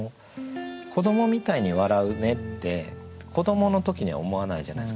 「子どもみたいに笑ふね」って子どもの時には思わないじゃないですか多分。